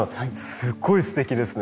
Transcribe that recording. すごいすてきですね。